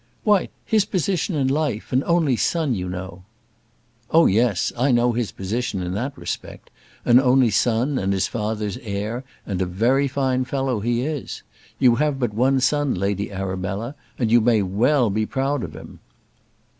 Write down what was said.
"Why, his position in life; an only son, you know." "Oh, yes; I know his position in that respect; an only son, and his father's heir; and a very fine fellow, he is. You have but one son, Lady Arabella, and you may well be proud of him."